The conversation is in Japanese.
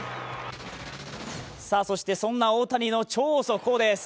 そしてそんな大谷の超速報です。